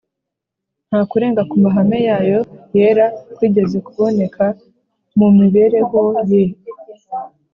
nta kurenga ku mahame yayo yera kwigeze kuboneka mu mibereho ye